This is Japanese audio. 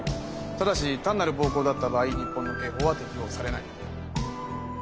ただし単なる暴行だった場合日本の刑法は適用されない。